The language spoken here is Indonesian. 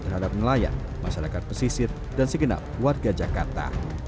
terhadap nelayan masyarakat pesisir dan segenap warga jakarta